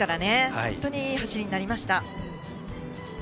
本当にいい走りになりました。